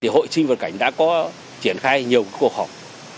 hội sinh vật cảnh đã có triển khai nhiều cuộc họp